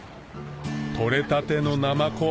取れたてのナマコ